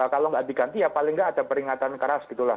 kalau nggak diganti ya paling nggak ada peringatan keras gitu lah